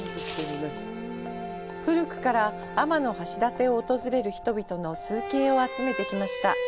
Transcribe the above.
古くから天橋立を訪れる人々の崇敬を集めてきました。